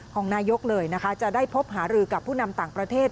ของนายกเลยนะคะจะได้พบหารือกับผู้นำต่างประเทศ